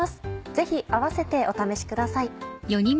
ぜひ併せてお試しください。